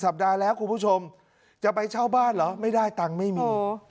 สัปดาห์แล้วคุณผู้ชมจะไปเช่าบ้านเหรอไม่ได้ตังค์ไม่มี